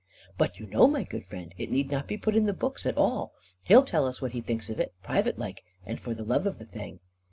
"But you know, my good friend, it need not be put on the books at all. He'll tell us what he thinks of it, private like, and for the love of the thing."